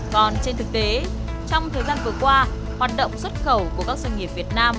còn trên thực tế trong thời gian vừa qua hoạt động xuất khẩu của các doanh nghiệp việt nam